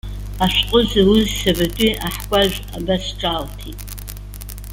Ашәҟәы зауз Сабатәи аҳкәажә абас ҿаалҭит.